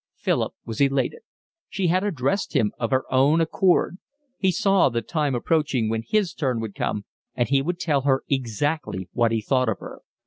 Philip was elated; she had addressed him of her own accord; he saw the time approaching when his turn would come and he would tell her exactly what he thought of her.